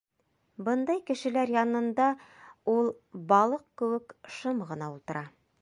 Бындай кешеләр янында ул балыҡ кеүек шым ғына ултыра.